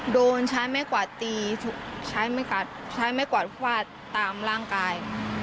โดนใช้ไม้กวาดตีใช้ไม้กวาดฟาดตามร่างกาย